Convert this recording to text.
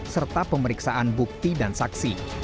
serta pemeriksaan bukti dan saksi